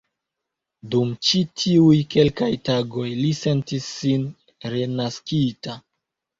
Dum ĉi tiuj kelkaj tagoj li sentis sin renaskita.